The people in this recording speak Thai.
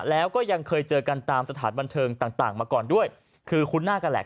แล้วก็ยังเคยเจอกันตามสถานบันเทิงต่างมาก่อนด้วยคือคุ้นหน้ากันแหละ